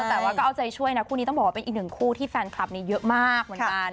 แต่ว่าก็เอาใจช่วยนะคู่นี้ต้องบอกว่าเป็นอีกหนึ่งคู่ที่แฟนคลับนี้เยอะมากเหมือนกัน